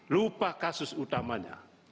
lupa kasus utamanya